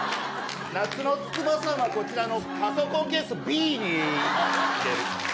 夏の筑波山はこちらのパソコンケースＢに入れる。